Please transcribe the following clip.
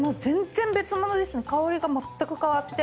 香りがまったく変わって。